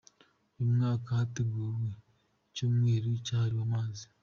Uyu mwaka, hateguwe icyumweru cyahiriwe amazi